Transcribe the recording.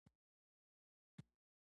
چې له ده سره مینه ولري